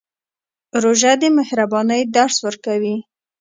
روژه د مهربانۍ درس ورکوي.